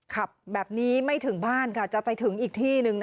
ขับแบบนี้ไม่ถึงบ้านค่ะจะไปถึงอีกที่หนึ่ง